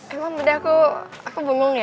emang beda aku aku bengong ya